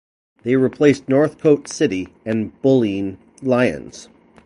They replaced Northcote City and Bulleen Lions.